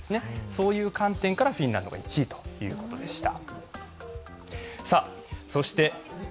そういう観点からフィンランドが１位ということでした。